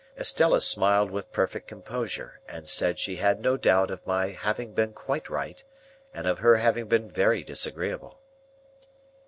Estella smiled with perfect composure, and said she had no doubt of my having been quite right, and of her having been very disagreeable.